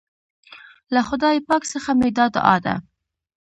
له خدای پاک څخه مي دا دعا ده